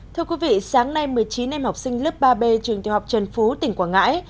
thưa quý vị sáng nay một mươi chín em học sinh lớp ba b trường tiểu học trần phú tỉnh quảng ngãi